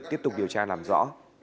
tiếp tục điều tra làm rõ